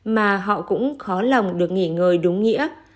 mà họ cũng khó lòng được nghỉ ngơi đúng nghĩa